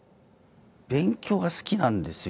勉強が好きなんですよ。